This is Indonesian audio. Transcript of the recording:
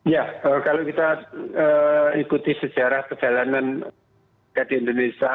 ya kalau kita ikuti sejarah perjalanan di indonesia